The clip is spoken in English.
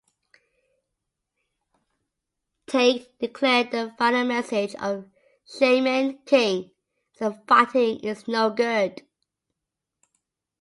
Takei declared "the final message of "Shaman King" is that fighting is no good.